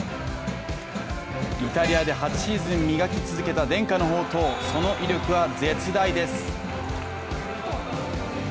イタリアが８シーズン磨き続けた伝家の宝刀、その威力は絶大です。